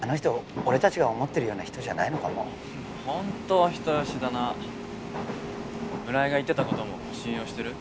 俺達が思ってるような人じゃないのかもホントお人よしだな村井が言ってたことも信用してる？